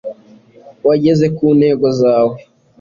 wageze ku ntego zawe